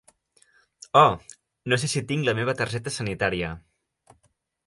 Oh! No sé si tinc la meva targeta sanitària.